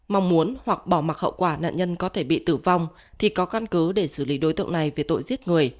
mong muốn hoặc bỏ mặc hậu quả nạn nhân có thể bị tử vong thì có căn cứ để xử lý đối tượng này về tội giết người